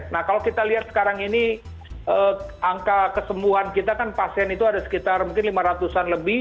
nah kalau kita lihat sekarang ini angka kesembuhan kita kan pasien itu ada sekitar mungkin lima ratus an lebih